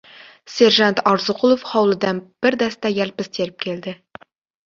Serjant Orziqulov hovlidan bir dasta yalpiz terib keldi.